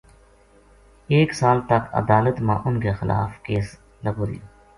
ایک سال تک عدالت ما اُنھ کے خلاف کیس لگو رہیو